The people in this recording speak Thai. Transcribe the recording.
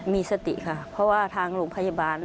มีสติค่ะเพราะว่าทางโรงพยาบาล